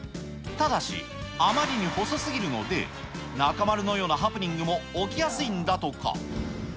ただし、あまりに細すぎるので、中丸のようなハプニングも起きやすいんだとか。